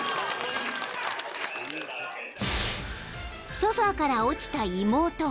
［ソファから落ちた妹を］